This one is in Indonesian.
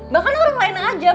bahkan orang lain aja